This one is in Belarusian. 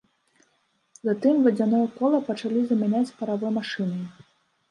Затым вадзяное кола пачалі замяняць паравой машынай.